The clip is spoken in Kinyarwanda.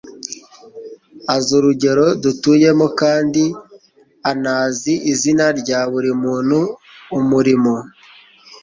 Azi urugo dutuyemo kandi anazi izina rya buri muntu umurimo.